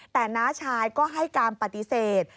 แต่น้าชายก็ให้การปฏิเสธ